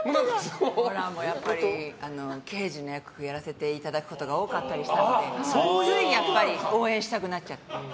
やっぱり、刑事の役をやらせていただくことが多かったりしたのでついやっぱり応援したくなっちゃって。